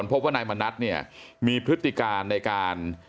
เพราะว่าในมณรเนี้ยมีพฤติการณ์ในการ